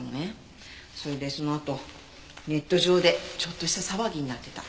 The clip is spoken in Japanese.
それでそのあとネット上でちょっとした騒ぎになってた。